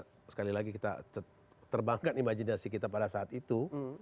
itu pemilu dimana sekali lagi kita terbangkan imajinasi kita pada saat itu